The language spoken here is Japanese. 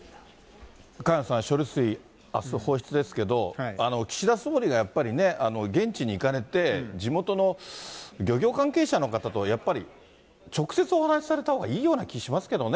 萱野さん、処理水、あす放出ですけど、岸田総理がやっぱりね、現地に行かれて、地元の漁業関係者の方と、やっぱり直接お話しされたほうがいいような気がしますけどね。